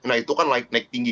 nah itu kan naik tinggi